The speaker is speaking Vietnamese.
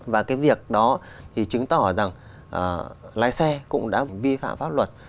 và cái việc đó thì chứng tỏ rằng lái xe cũng đã vi phạm pháp luật